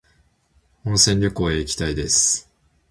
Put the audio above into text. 温泉旅行へ行きたいです